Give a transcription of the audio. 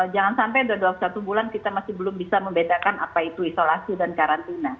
jangan sampai dalam satu bulan kita masih belum bisa membedakan apa itu isolasi dan karantina